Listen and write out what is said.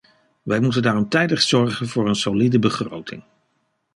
Wij moeten daarom tijdig zorgen voor een solide begroting.